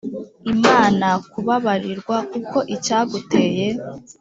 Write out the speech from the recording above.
imana kubabarirwa kuko icyaguteye